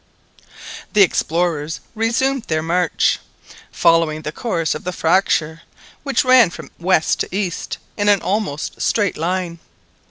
The explorers resumed their march, following the course of the fracture, which ran from west to east in an almost straight line.